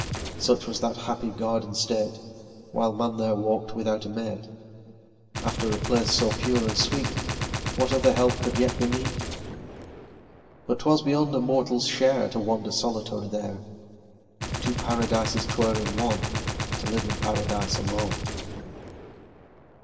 Such was that happy garden state, While man there walk'd without a mate; After a place so pure and sweet, What other help could yet be meet! But 'twas beyond a mortal's share To wander solitary there: Two paradises 'twere in one To live in paradise alone.